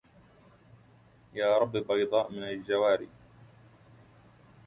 يا رب بيضاء من الجواري